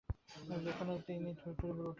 যে কোনাে দিনই থুথুড়ে বুড়ােটা অক্কা পেতে পারে।